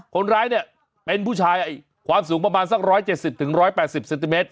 คนร้ายเนี่ยเป็นผู้ชายความสูงประมาณสัก๑๗๐๑๘๐เซนติเมตร